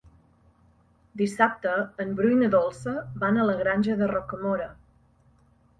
Dissabte en Bru i na Dolça van a la Granja de Rocamora.